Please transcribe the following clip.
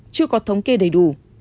chưa có thống kê đầy đủ